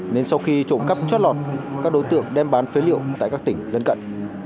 nên sau khi trộm cắp chót lọt các đối tượng đem bán phế liệu tại các tỉnh lân cận